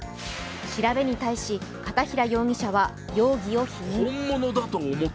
調べに対し、片平容疑者は容疑を否認。